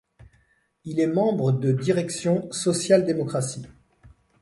Il est membre de Direction - Social-démocratie.